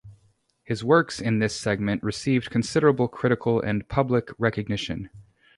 His works in this segment received considerable Critical and public recognition.